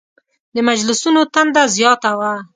د مجلسونو تنده زیاته وه.